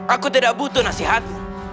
aku tidak butuh nasihatmu